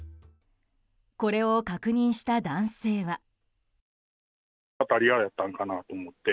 これを確認した男性は。